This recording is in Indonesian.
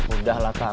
udah lah tak